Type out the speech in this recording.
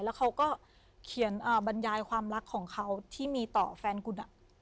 แล้วเขาก็เขียนบรรยายความรักของเขาที่มีต่อแฟนคุณ